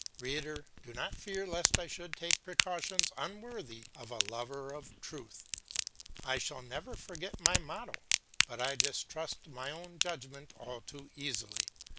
Reader, do not fear lest I should take precautions unworthy of a lover of truth; I shall never forget my motto, but I distrust my own judgment all too easily.